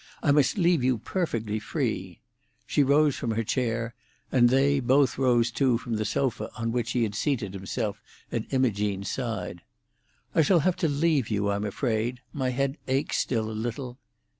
I must leave you perfectly free." She rose from her chair, and they, both rose too from the sofa on which he had seated himself at Imogene's side. "I shall have to leave you, I'm afraid; my head aches still a little.